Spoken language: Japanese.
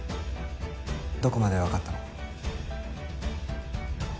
どこまでわかったの？